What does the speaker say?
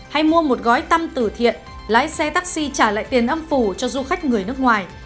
hay mua một gói tăm tử thiện lái xe taxi trả lại tiền âm phủ cho du khách người nước ngoài